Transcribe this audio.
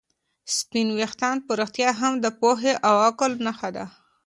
سپین ویښتان په رښتیا هم د پوهې او عقل نښه ده.